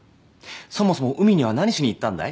そもそも海には何しに行ったんだい？